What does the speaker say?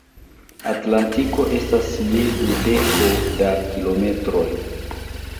Atlantiko estas je dudeko da kilometroj.